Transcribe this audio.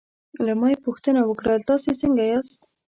له ما یې پوښتنه وکړل: تاسې څنګه یاست؟